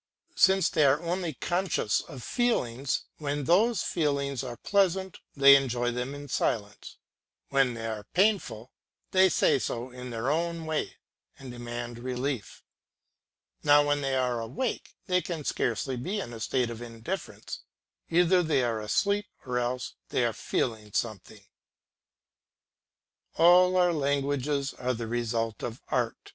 Since they are only conscious of feelings, when those feelings are pleasant they enjoy them in silence; when they are painful they say so in their own way and demand relief. Now when they are awake they can scarcely be in a state of indifference, either they are asleep or else they are feeling something. All our languages are the result of art.